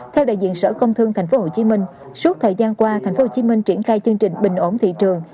theo đại diện sở công thương tp hcm suốt thời gian qua tp hcm triển khai chương trình bình ổn thị trường